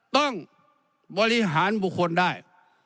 ต้องบริหารบุคคลได้